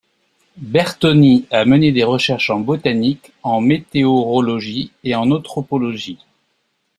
Bertoni a mené des recherches en botanique, en météorologie et en anthropologie.